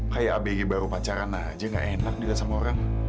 kayak abg baru pacaran aja gak enak juga sama orang